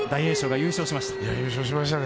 優勝しましたね。